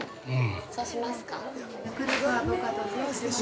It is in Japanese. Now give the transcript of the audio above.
◆そうしますか。